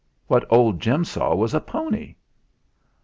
What old Jim saw was a pony."